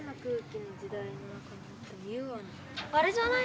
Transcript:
あれじゃない？